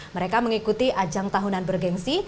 mereka mengikuti ajang tahunan bergensi